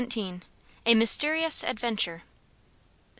A Mysterious Adventure.